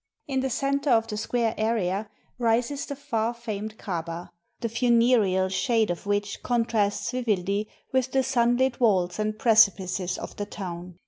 In the center of the square area rises the far famed Kabah, the funereal shade of which contrasts vividly with the sunlit walls and precipices of the town.